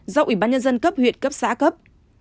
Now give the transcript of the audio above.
do ubnd cấp huyện cấp xã cấp